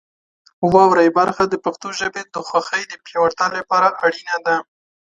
واورئ برخه د پښتو ژبې د خوښۍ د پیاوړتیا لپاره اړینه ده.